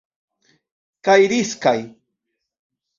Kaj riskaj.